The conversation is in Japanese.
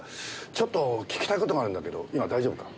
ちょっと聞きたい事があるんだけど今大丈夫か？